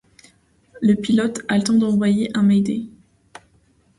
Le pilote a le temps d'envoyer un mayday.